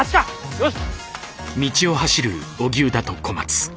よし！